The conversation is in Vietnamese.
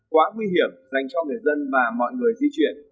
quá nguy hiểm dành cho người dân và mọi người di chuyển